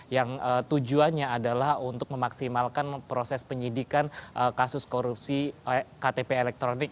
yang tujuannya adalah untuk memaksimalkan proses penyidikan kasus korupsi